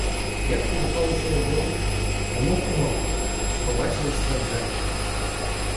Як теліпалися його руки, немов у мавпи, що побачили себе в дзеркалі!